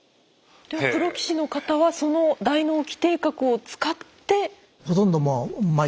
プロ棋士の方はその大脳基底核を使って。